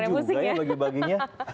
juga ya bagi baginya